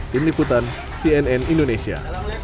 tim liputan cnn indonesia